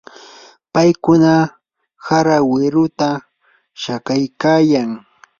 paykuna hara wiruta shakaykaayan.